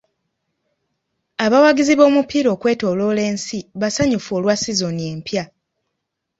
Abawagizi b'omupiira okwetooloola ensi basanyufu olwa sizoni empya.